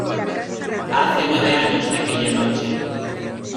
Hace nueve años de aquella noche.